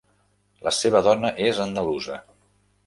La seva dona és andalusa.